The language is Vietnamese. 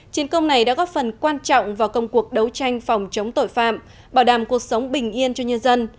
chiến công này đã góp phần quan trọng vào công cuộc đấu tranh phòng chống tội phạm bảo đảm cuộc sống bình yên cho nhân dân